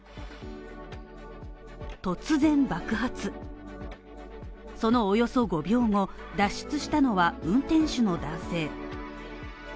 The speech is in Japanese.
突然爆発、そのおよそ５秒脱出したのは、運転手の男性。